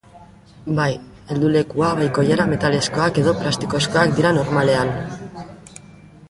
Bai heldulekua bai koilara metalezkoak edo plastikozkoak dira normalean.